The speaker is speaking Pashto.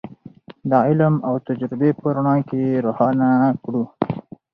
د علم او تجربې په رڼا کې یې روښانه کړو.